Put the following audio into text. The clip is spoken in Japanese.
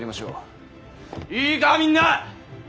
いいかみんな。